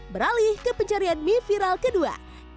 berhari hari ke pencarian mie viral kedua